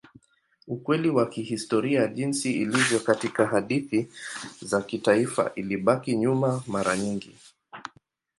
Ukweli wa kihistoria jinsi ilivyo katika hadithi za kitaifa ilibaki nyuma mara nyingi.